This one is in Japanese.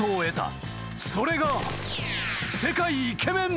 ［それが］